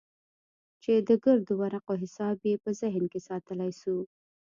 چې د ګردو ورقو حساب يې په ذهن کښې ساتلى سو.